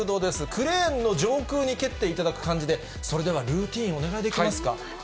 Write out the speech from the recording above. クレーンの上空に蹴っていただく感じで、それでは、ルーティン、お願いできますか。